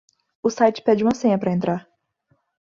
O site pede uma senha pra entrar.